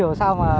đây đúng ạ